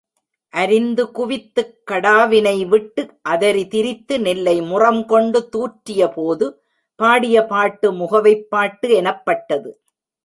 அரிந்து குவித்துக் கடாவினைவிட்டு அதரி திரித்து நெல்லை முறம் கொண்டு தூற்றியபோது பாடிய பாட்டு முகவைப் பாட்டு எனப்பட்டது.